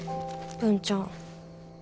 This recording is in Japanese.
文ちゃん。